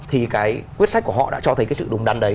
thì cái quyết sách của họ đã cho thấy cái sự đúng đắn đấy